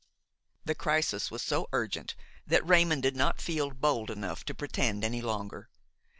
" The crisis was so urgent that Raymon did not feel bold enough to pretend any longer.